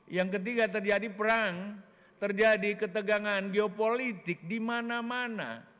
yang ketiga terjadi perang terjadi ketegangan geopolitik di mana mana